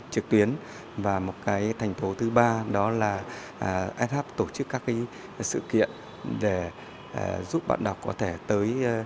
trực tuyến và một cái thành phố thứ ba đó là s hub tổ chức các sự kiện để giúp bạn đọc có thể tới